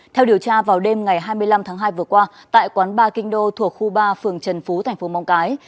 theo điều tra vào đêm ngày hai mươi năm tháng hai vừa qua tại quán ba kinh đô thuộc khu ba phường trần phú thành phố móng cái